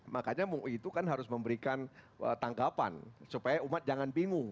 makanya mui itu kan harus memberikan tanggapan supaya umat jangan bingung